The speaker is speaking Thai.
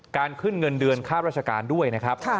ขึ้นเงินเดือนค่าราชการด้วยนะครับ